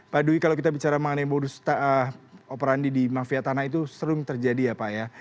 pak dwi kalau kita bicara mengenai modus operandi di mafia tanah itu sering terjadi ya pak ya